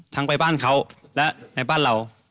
ไปบ้านเขาและในบ้านเรา